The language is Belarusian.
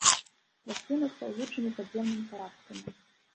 Расліна з паўзучымі падземнымі парасткамі.